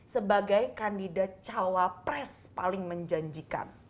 sebagai kandidat cawapres paling menjanjikan